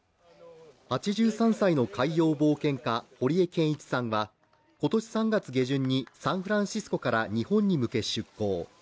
８３歳の海洋冒険家、堀江謙一さんは今年３月下旬にサンフランシスコから日本に向け出航。